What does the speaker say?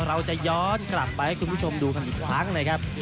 เราจะย้อนกลับไปให้คุณผู้ชมดูกันอีกครั้งเลยครับ